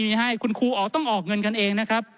คุณครูก็ไม่มีให้คุณครูต้องออกเงินกันเองนะครับ